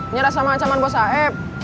nyara sama ancaman bos aep